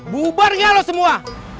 bubar gak lo semua